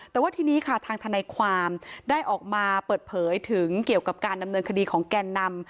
แต่ว่าทีนี้ค่ะทางทนายความได้ออกมาเปิดเผยถึงเกี่ยวกับการดำเนินคดีของแกนนำ